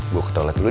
wok telat udah